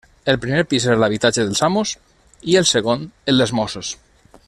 El primer pis era l'habitatge dels amos i el segon el dels mossos.